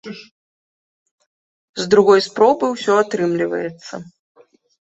З другой спробы ўсё атрымліваецца.